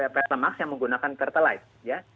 pertamax yang menggunakan pertalite